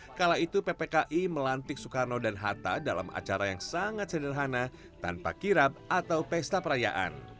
setelah kala itu ppki melantik soekarno dan hatta dalam acara yang sangat sederhana tanpa kirap atau pesta perayaan